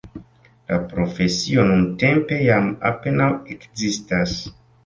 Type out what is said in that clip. La profesio nuntempe jam apenaŭ ekzistas.